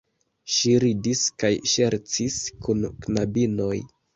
Ŝi ridis kaj ŝercis kun knabinoj.